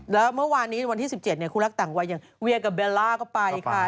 แล้วเมื่อวานนี้วันที่๑๗คู่รักต่างวัยอย่างเวียกับเบลล่าก็ไปค่ะ